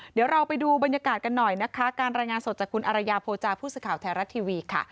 เดี๋ยวเราไปดูบรรยากาศกันหน่อยนะคะการรายงานสดจากคุณอารยาโภจาผู้สื่อข่าวไทยรัฐทีวีค่ะ